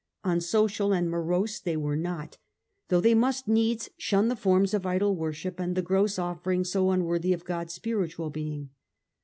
U nsocial and morose they were not, though they must needs shun the forms of idol worship and the gross offer ings so unworthy of God's spiritual being.